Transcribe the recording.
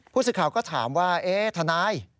ผู้สื่อข่าวก็ถามว่าเอ๊ะทนาย